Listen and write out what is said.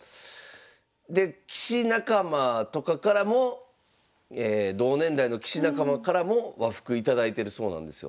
で棋士仲間とかからも同年代の棋士仲間からも和服頂いてるそうなんですよ。